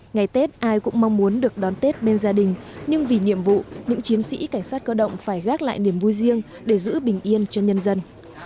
ngày tết ai cũng mong muốn được đón tết bên gia đình nhưng vì nhiệm vụ những chiến sĩ cảnh sát cơ động phải gác lại niềm vui riêng để giữ bình yên cho nhân dân